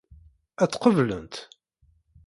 Ad tt-qeblent?